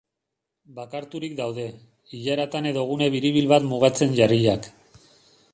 Bakarturik daude, ilaratan edo gune biribil bat mugatzen jarriak.